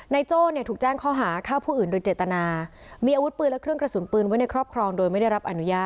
ในโจถูกแจ้งข้อหาข้าวผู้อื่นโดยเจตนา